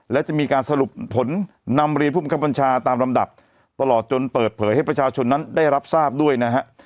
และจะมีการสรุปผลนำเรียนผู้บังคับบัญชาตามลำดับตลอดจนเปิดเผยให้ประชาชนนั้นได้รับทราบด้วยนะฮะ